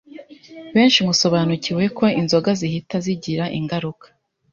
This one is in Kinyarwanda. Benshi musobanukiwe ko inzoga zihita zigira ingaruka